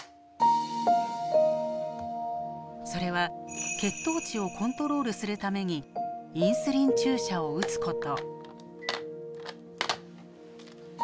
それは血糖値をコントロールするためにインスリン注射を打つこと。